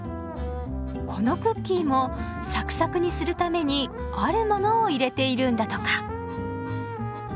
このクッキーもサクサクにするためにあるモノを入れているんだとか。